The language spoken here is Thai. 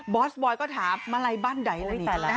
บอสบอยซีริชัยค่ะก็ถามมาลัยบ้านใดละนี่